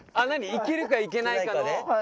行けるか行けないかの。